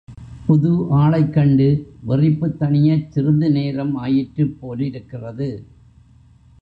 புது ஆளைக்கண்டு வெறிப்புத் தணியச் சிறிதுநேரம் ஆயிற்றுப் போலிருக்கிறது.